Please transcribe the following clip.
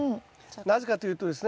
なぜかというとですね